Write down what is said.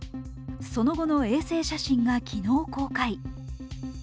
その後の衛星写真が昨日公開。